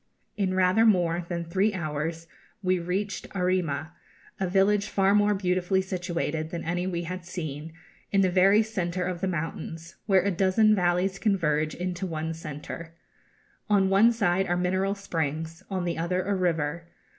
In rather more than three hours we reached Arrima, a village far more beautifully situated than any we had seen, in the very centre of the mountains, where a dozen valleys converge into one centre. On one side are mineral springs, on the other a river.